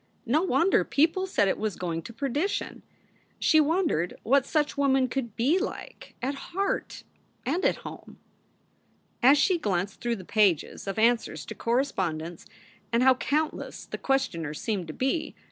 No wonder people said it was going to perdition. She wondered what such women could be like at heart and at home. As she glanced through the pages of answers to cor respondents and how countless the questioners seemed to be!